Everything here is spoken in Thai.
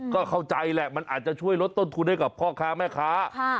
ก็เข้าใจแหละมันอาจจะช่วยลดต้นทุนให้กับพ่อค้าแม่ค้า